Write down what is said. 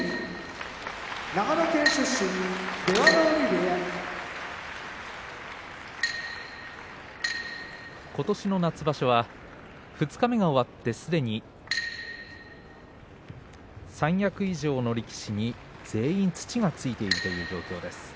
長野県出身出羽海部屋ことしの夏場所は二日目が終わってすでに三役以上の力士に全員土がついているという状況です。